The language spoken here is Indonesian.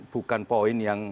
bukan poin yang